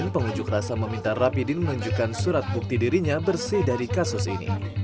pengunjuk rasa meminta rapidin menunjukkan surat bukti dirinya bersih dari kasus ini